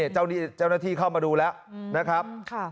เจ้าหน้าที่เข้ามาดูแล้วนะครับ